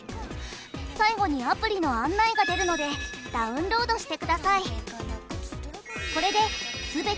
最後にアプリの案内が出るのでダウンロードしてください。